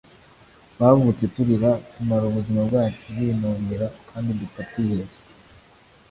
Twavutse turira, tumara ubuzima bwacu binubira, kandi dupfa twihebye